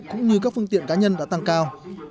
cũng như các phương tiện cá nhân đã tăng cao